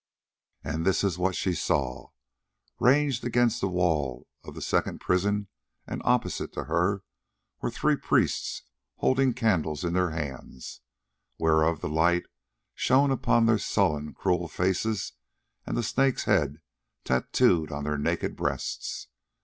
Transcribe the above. And this was what she saw: Ranged against the wall of the second prison, and opposite to her, were three priests holding candles in their hands, whereof the light shone upon their sullen, cruel faces, and the snake's head tattooed on their naked breasts.